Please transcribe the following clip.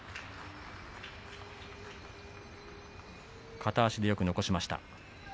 片足でよく残しました。